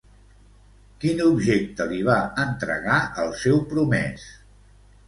Quin objecte li va entregar al seu promès?